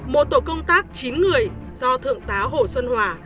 một tổ công tác chín người do thượng tá hồ xuân hòa